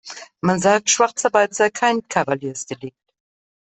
Man sagt, Schwarzarbeit sei kein Kavaliersdelikt.